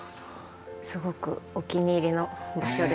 すごくお気に入りの場所です。